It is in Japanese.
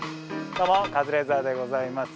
どうもカズレーザーでございます